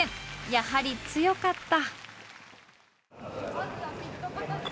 やはり強かった。